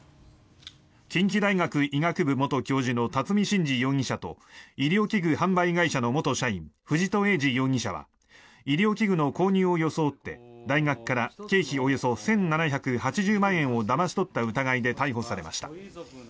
近畿大学医学部元教授の巽信二容疑者と医療器具販売会社の元社員藤戸栄司容疑者は医療器具の購入を装って大学から経費およそ１７８０万円をだまし取った疑いで逮捕されました。